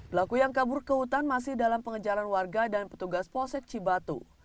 pelaku yang kabur ke hutan masih dalam pengejaran warga dan petugas polsek cibatu